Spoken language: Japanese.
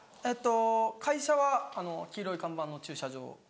えっと会社は黄色い看板の駐車場。